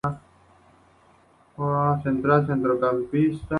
Juega de defensa central o centrocampista, actualmente se encuentra sin equipo.